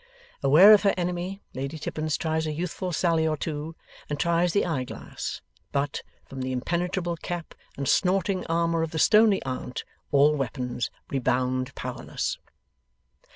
Aware of her enemy, Lady Tippins tries a youthful sally or two, and tries the eye glass; but, from the impenetrable cap and snorting armour of the stoney aunt all weapons rebound powerless.